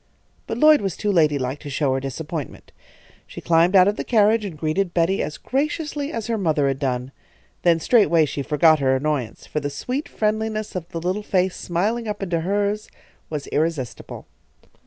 But Lloyd was too ladylike to show her disappointment. She climbed out of the carriage and greeted Betty as graciously as her mother had done. Then straightway she forgot her annoyance, for the sweet friendliness of the little face smiling up into hers was irresistible.